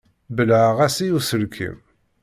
Belɛeɣ-as i uselkim.